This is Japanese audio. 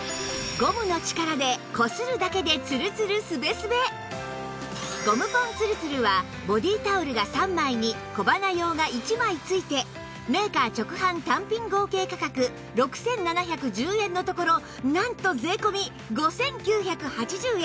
一方ゴムポンつるつるはボディータオルが３枚に小鼻用が１枚付いてメーカー直販単品合計価格６７１０円のところなんと税込５９８０円